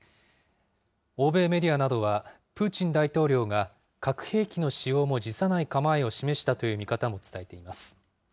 欧米メディアなどは、プーチン大統領が核兵器の使用も辞さない構えを示したという見方も伝えています。